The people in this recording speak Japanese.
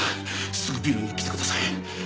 すぐビルに来てください。